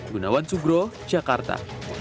gunawan sugro jakarta